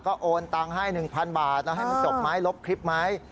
ก็โอนตังค์ให้๑๐๐บาทแล้วให้มันจบไหมลบคลิปไหม